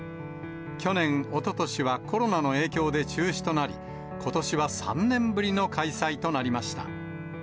去年、おととしは、コロナの影響で中止となり、ことしは３年ぶりの開催となりました。